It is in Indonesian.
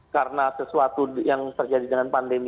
karena sesuatu yang terjadi dengan pandemi